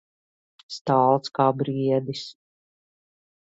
Stalts kā briedis.